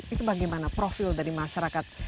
itu bagaimana profil dari masyarakat